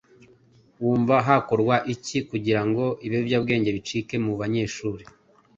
Wumva hakorwa iki kugira ngo ibiyobyabwenge bicike mu banyeshuri?